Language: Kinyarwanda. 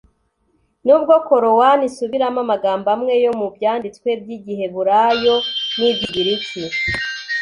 nubwo korowani isubiramo amagambo amwe yo mu byanditswe by’igiheburayo n’iby’ikigiriki.